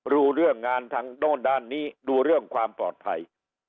รู้เรื่องงานทางโน่นด้านนี้ดูเรื่องความปลอดภัย